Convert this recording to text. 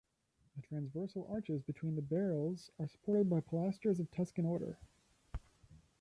The transversal arches between the barrels are supported by pilasters of Tuscan order.